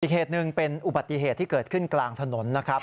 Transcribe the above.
เหตุหนึ่งเป็นอุบัติเหตุที่เกิดขึ้นกลางถนนนะครับ